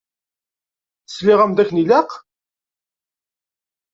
Sliɣ-am-d akken ilaq?